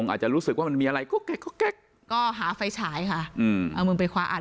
วงอาจะรู้สึกว่ามันมีอะไรก็หาไฟฉายค่ะเอามึงไปควะอัด